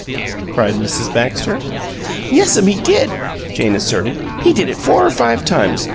cried Mrs. Baxter. "Yes'm, he did!" Jane asserted. "He did it four or five times.